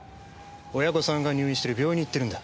親御さんが入院している病院に行ってるんだ。